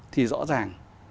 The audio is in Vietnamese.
thì rõ ràng